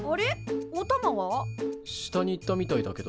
下に行ったみたいだけど。